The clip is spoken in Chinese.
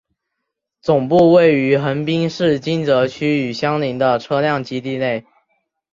总部位于横滨市金泽区与相邻的车辆基地内。